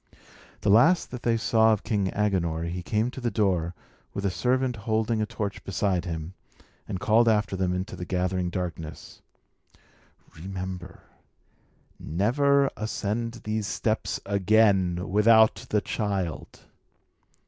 The last that they saw of King Agenor, he came to the door, with a servant holding a torch beside him, and called after them into the gathering darkness: "Remember! Never ascend these steps again without the child!"